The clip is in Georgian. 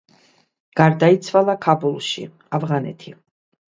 გარდაიცვალა ქაბულში, ავღანეთი.